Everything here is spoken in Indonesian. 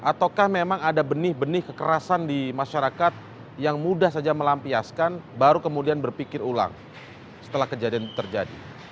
ataukah memang ada benih benih kekerasan di masyarakat yang mudah saja melampiaskan baru kemudian berpikir ulang setelah kejadian terjadi